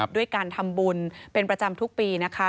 ด้วยการทำบุญเป็นประจำทุกปีนะคะ